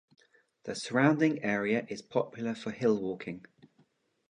The surrounding area is popular for hill-walking.